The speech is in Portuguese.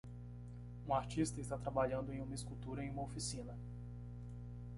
Um artista está trabalhando em uma escultura em uma oficina.